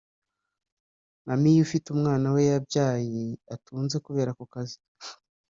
Mamie ufite umwana we yabyaye atunze kubera ako kazi